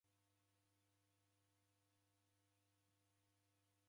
Isanga jerebonyere w'usaghui lii?